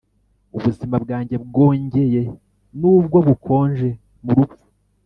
ubuzima bwanjye bwongeye nubwo bukonje mu rupfu: